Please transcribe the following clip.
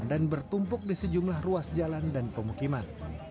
dan bertumpuk di sejumlah ruas jalan dan pemukiman